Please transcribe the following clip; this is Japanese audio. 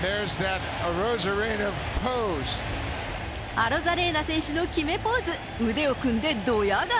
アロザレーナ選手の決めポーズ、腕を組んで、どや顔。